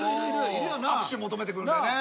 握手求めてくるんだよね。